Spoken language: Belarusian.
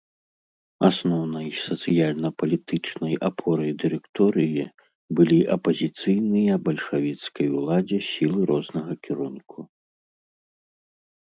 Асноўнай сацыяльна-палітычнай апорай дырэкторыі былі апазіцыйныя бальшавіцкай уладзе сілы рознага кірунку.